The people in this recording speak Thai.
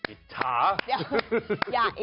อิจฉา